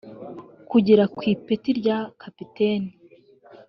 kugera ku ipeti rya kapiteni